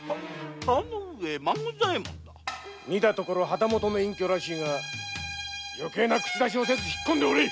旗本の隠居らしいが余計な口出しをせず引っ込んでおれ！